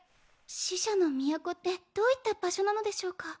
死者の都ってどういった場所なのでしょうか？